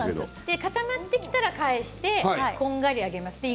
固まってきたら返してこんがりやります。